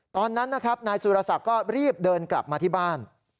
ตอนนั้นนะครับนายสุรศักดิ์ก็รีบเดินกลับมาที่บ้าน